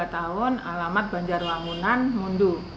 dua puluh tiga tahun alamat banjarwangunan mundu